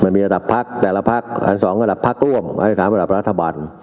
มันมีระดับภักดิ์แต่ละภักดิ์อันสองระดับภักดิ์ร่วมอันสองระดับรัฐบาล